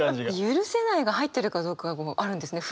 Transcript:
「許せない」が入ってるかどうかあるんですね。